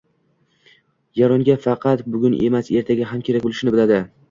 yer unga faqat bugun emas — ertaga ham kerak bo‘lishini biladi.